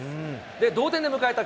同点で迎えた